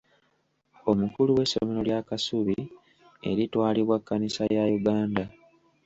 Omukulu w'essomero lya Kasubi eritwalibwa Kannisa ya Uganda.